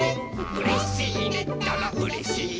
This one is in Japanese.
「うれしいねったらうれしいよ」